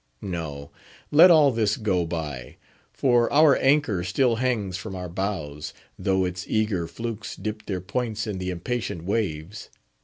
No! let all this go by; for our anchor still hangs from our bows, though its eager flukes dip their points in the impatient waves.